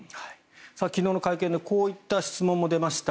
昨日の会見でこういった質問も出ました。